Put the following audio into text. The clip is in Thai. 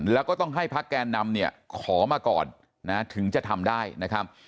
แล้วก็ต้องให้พักแกนนำเนี่ยขอมาก่อนนะถึงจะทำได้นะครับ